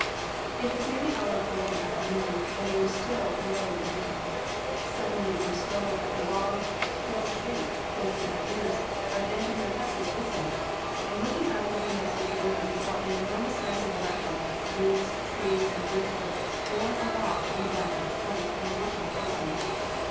It was near the hour of four in the afternoon, and they were still wearily waiting. Suddenly they were startled by the long, shrill shriek, close to their ears, of engineer Hess' whistle, and looking out of their windows up the river, they saw an enormous mass of wreckage, roots, trees, and driftwood borne aloft on the back of the torrent, and rushing toward them.